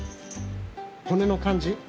骨の感じ。